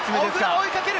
追い掛ける！